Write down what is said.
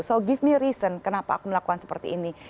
so give me reason kenapa aku melakukan seperti ini